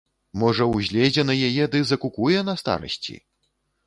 Можа, узлезе на яе ды закукуе на старасці.